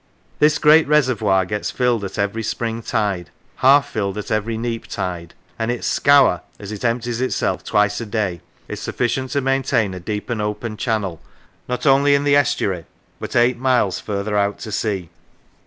This great reservoir gets filled at every spring tide, half filled at every neap tide, and its scour, as it empties itself twice a day, is sufficient to maintain a deep and open channel, not only in the estuary, but eight miles further out to sea."